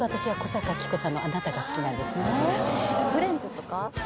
『フレンズ』とか？